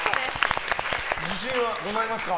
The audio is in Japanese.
自信はございますか？